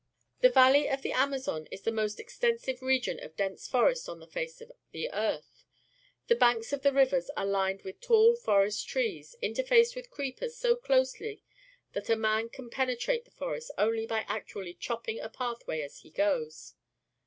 The valley of the Amazon is the most extensive region of dense forest on the face of the earth. The banks of the rivers are Uned with tall forest trees, interlaced with creepers so closely that a man can penetrate the forest only by actually chopping a path way as he goes.